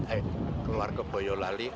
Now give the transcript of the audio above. eh keluar ke boyolali